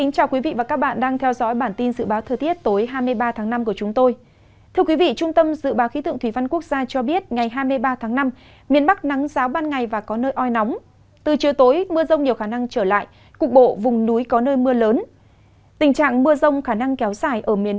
các bạn hãy đăng ký kênh để ủng hộ kênh của chúng tôi nhé